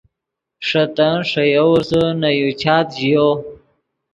ݰے تن ݰے یوورسے نے یو چات ژیو۔